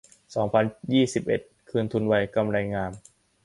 สองพันยี่สิบเอ็ด คืนทุนไว กำไรงาม